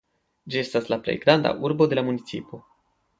Ĝi estas la plej granda urbo de la municipo.